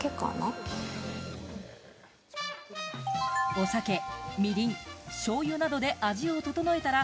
お酒、みりん、醤油などで味を調えたら、